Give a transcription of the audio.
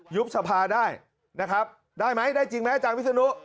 บสภาได้นะครับได้ไหมได้จริงไหมอาจารย์วิศนุ